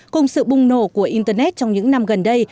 cùng sự bùng nổ của internet trong những năm gần đây